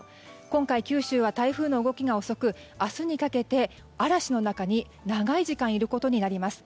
今回、九州は台風の動きが遅く明日にかけて嵐の中に長い時間いることになります。